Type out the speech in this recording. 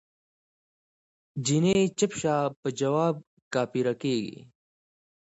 جینی چپ شه په جواب کافره کیږی